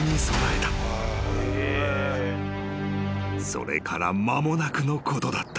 ［それから間もなくのことだった］・